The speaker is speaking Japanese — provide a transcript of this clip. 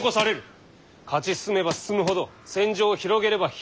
勝ち進めば進むほど戦場を広げれば広げるほど苦しくなる。